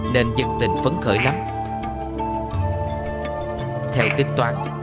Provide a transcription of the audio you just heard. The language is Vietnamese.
nên dân tình vẫn không có gì để làm được